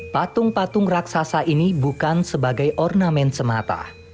patung patung raksasa ini bukan sebagai ornamen semata